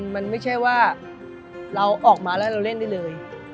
มันไม่ใช่ว่าเราออกมาแล้วเราเล่นได้เลย